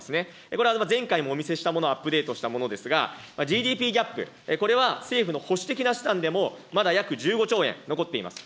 これは前回もお見せしたものをアップデートしたものですが、ＧＤＰギャップ、これは政府の試算でもまだ約１５兆円残っています。